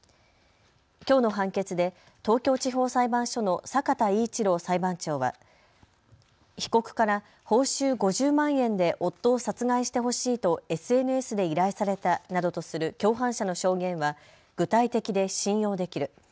きょうの判決で東京地方裁判所の坂田威一郎裁判長は被告から報酬５０万円で夫を殺害してほしいとＳＮＳで依頼されたなどとする共犯者の証言は具体的で信用できる。